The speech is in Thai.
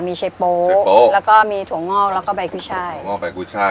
มีเชปโปเชปโปแล้วก็มีถั่วงอกแล้วก็ใบกรูชายถั่วงอกใบกรูชาย